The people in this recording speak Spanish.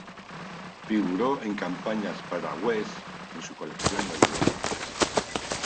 Figuró en campañas para Guess en su colección navideña.